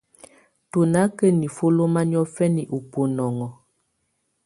Tù nà kà nifuǝ́ lɔma niɔ̀fɛna ù bunɔnɔ.